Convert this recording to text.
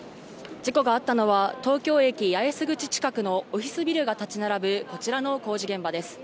事故があったのは東京駅八重洲口近くのオフィスビルが立ち並ぶ、こちらの工事現場です。